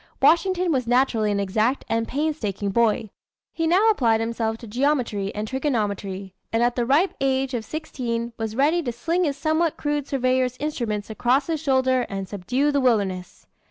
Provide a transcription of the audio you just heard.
Washington was naturally an exact and painstaking boy. He now applied himself to geometry and trigonometry; and at the ripe age of sixteen was ready to sling his somewhat crude surveyor's instruments across his shoulder and subdue the wilderness.